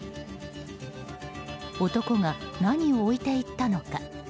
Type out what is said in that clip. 男が何を置いていったのか。